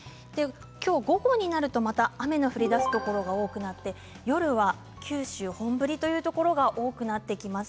今日、午後になるとまた雨の降りだすところが多くなって夜は九州、本降りというところが多くなってきます。